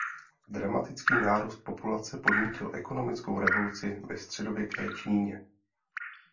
Dramatický nárůst populace podnítil ekonomickou revoluci ve středověké Číně.